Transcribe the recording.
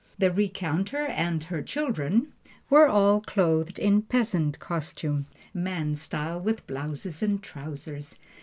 The recounter and her children were all clothed in peasant costume man style, with blouses and trousers.